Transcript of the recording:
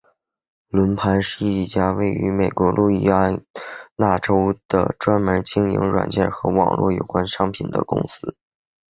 软盘是一家位于美国路易斯安那州的专门经营软件和网络有关商品的公司。